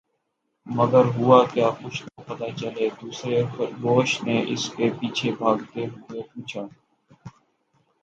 مگر ہوا کیا؟ کچھ تو پتا چلے!“دوسرے خرگوش نے اس کے پیچھے بھاگتے ہوئے پوچھا۔